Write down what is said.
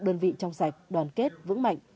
đơn vị trong sạch đoàn kết vững mạnh